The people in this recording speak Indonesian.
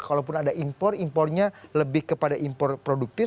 kalaupun ada impor impornya lebih kepada impor produktif